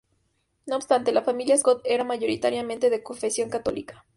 No obstante, la familia Scott era mayoritariamente de confesión católica.